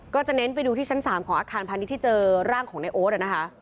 ก็จะเน้นไปดูที่ชั้นสามของอาคารพันธุ์ที่เจอร่างของในโอ๊ดอะนะคะ